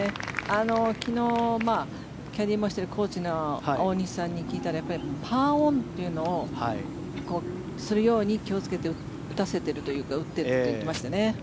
昨日キャディーもしているコーチの大西さんに聞いたらパーオンというのをするように気をつけて打たせてるというか打っていると言っていましたね。